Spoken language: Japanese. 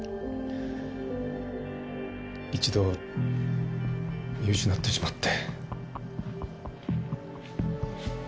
一度見失ってしまって。